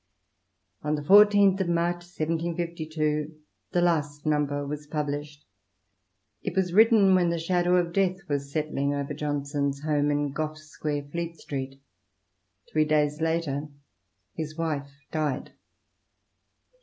On the 14th of March 1752 the last number was published ; it was written when the shadow of death was settling over Johnson's home in Gough Squar^ Fleet Street ; three days later, his wife died.